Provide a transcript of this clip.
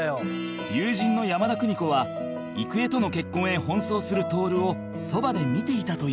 友人の山田邦子は郁恵との結婚へ奔走する徹をそばで見ていたという